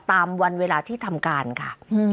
ตามวันเวลาที่ทำการค่ะ